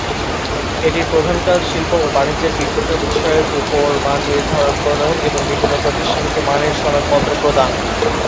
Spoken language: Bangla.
এটির প্রধান কাজ শিল্প ও বাণিজ্যের বিভিন্ন বিষয়ের উপর মান নির্ধারণ, প্রণয়ন এবং বিভিন্ন প্রতিষ্ঠানকে মানের সনদপত্র প্রদান।